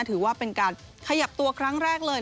ถือว่าเป็นการขยับตัวครั้งแรกเลย